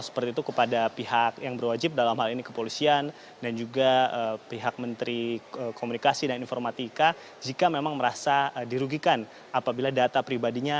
seperti itu kepada pihak yang berwajib dalam hal ini kepolisian dan juga pihak menteri komunikasi dan informatika jika memang merasa dirugikan apabila data pribadinya